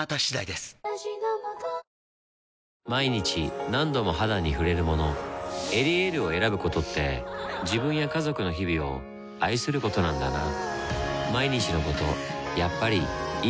毎日何度も肌に触れるもの「エリエール」を選ぶことって自分や家族の日々を愛することなんだなぁ